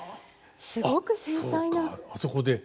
すごく繊細な。